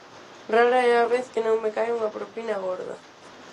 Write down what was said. Rara é a vez que non me cae unha propina gorda.